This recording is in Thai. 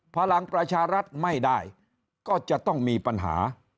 พลังประชารัฐไม่ได้ก็จะต้องมีปัญหา